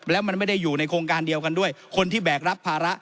แล้วมันไม่ได้อยู่ในโครงการเดียวกันด้วยคนที่แบกรับภาระ